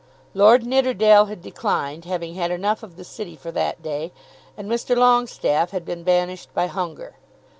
Lord Nidderdale had declined, having had enough of the City for that day, and Mr. Longestaffe had been banished by hunger.